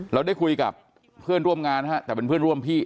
เราได้คุยกับเพื่อนร่วมงานนะฮะแต่เป็นเพื่อนร่วมพี่